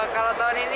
kalau tahun ini